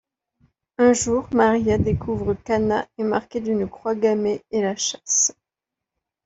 Un jour, Maria découvre qu'Anna est marquée d'une croix gammée et la chasse.